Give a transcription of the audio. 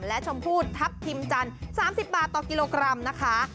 และชมพู่ทัพทิมจันทร์๓๐บาทต่อกิโลกรัมนะคะ